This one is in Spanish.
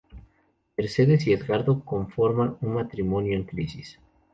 Mercedes y Edgardo conforman un matrimonio en crisis.